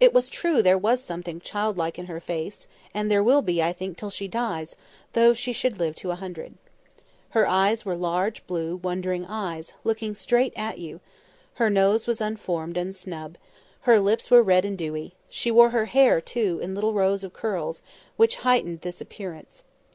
It was true there was something childlike in her face; and there will be, I think, till she dies, though she should live to a hundred. Her eyes were large blue wondering eyes, looking straight at you; her nose was unformed and snub, and her lips were red and dewy; she wore her hair, too, in little rows of curls, which heightened this appearance.